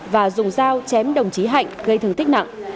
và dùng dao chém đồng chí hạnh gây thương tích nặng